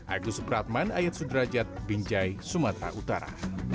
agus supratman ayat sudrajat binjai sumatera utara